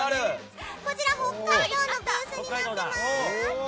こちらは北海道のブースになっています。